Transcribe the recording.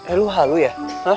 eh lu halu ya